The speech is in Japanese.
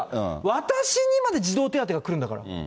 私にまで児童手当がくるんだから。